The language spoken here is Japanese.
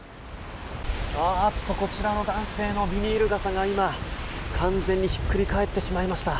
こちらの男性のビニール傘が完全にひっくり返ってしまいました。